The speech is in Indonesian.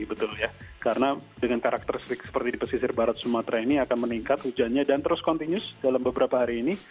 betul ya karena dengan karakteristik seperti di pesisir barat sumatera ini akan meningkat hujannya dan terus continus dalam beberapa hari ini